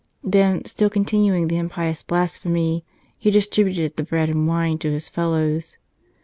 Then, still continuing the impious blasphemy, he distributed the bread and wine to his fellows.